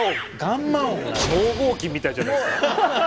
超合金みたいじゃないですか。